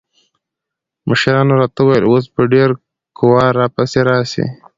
مشرانو راته وويل اوس به ډېره قوا را پسې راسي.